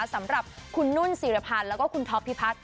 สำหรับคุณนุ่นศิรพันธ์แล้วก็คุณท็อปพิพัฒน